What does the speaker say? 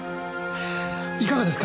いかがですか？